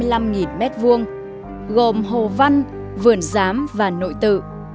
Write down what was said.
văn miếu quốc tử giám gồm hồ văn vườn giám và nội tự